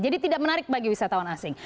jadi tidak menarik bagi wisatawan asing